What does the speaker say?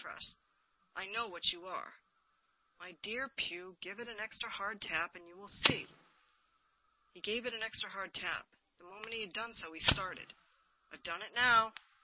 Tress, I know what you are." " My dear Pugh, give it an extra hard tap, and you will see." He gave it an extra hard tap. The moment he had done so, he started. " Fve done it now."